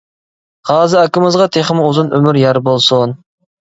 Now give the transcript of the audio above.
غازى ئاكىمىزغا تېخىمۇ ئۇزۇن ئۆمۈر يار بولسۇن!